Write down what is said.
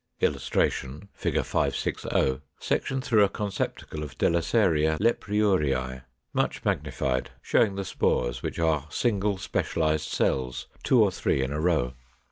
] [Illustration: Fig. 560. Section through a conceptacle of Delesseria Leprieurei, much magnified, showing the spores, which are single specialized cells, two or three in a row.